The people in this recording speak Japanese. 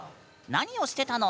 何をしてたの？